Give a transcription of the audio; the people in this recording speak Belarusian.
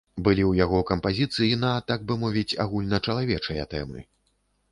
Былі ў яго кампазіцыі на, так бы мовіць, агульначалавечыя тэмы.